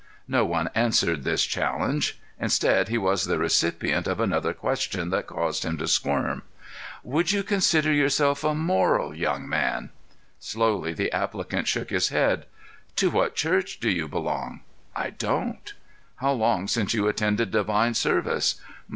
No one answered this challenge; instead, he was the recipient of another question that caused him to squirm. "Would you consider yourself a moral young man?" Slowly the applicant shook his head. "To what Church do you belong?" "I don't." "How long since you attended divine service?"